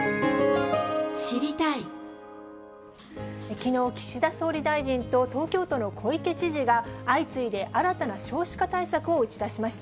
きのう、岸田総理大臣と東京都の小池知事が相次いで新たな少子化対策を打ち出しました。